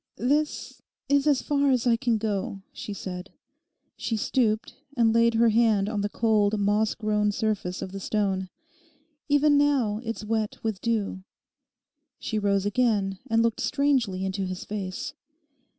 'This—is as far as I can go,' she said. She stooped, and laid her hand on the cold moss grown surface of the stone. 'Even now it's wet with dew.' She rose again and looked strangely into his face.